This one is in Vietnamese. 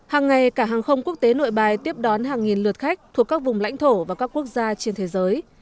hàng ngày cả hàng không quốc tế nội bài tiếp đón hàng nghìn lượt khách thuộc các vùng lãnh thổ và các quốc gia trên thế giới